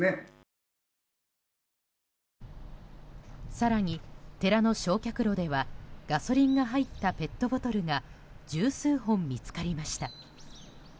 更に、寺の焼却炉ではガソリンが入ったペットボトルが十数本、見つかりました。